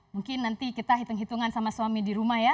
mungkin nanti kita hitung hitungan sama suami di rumah ya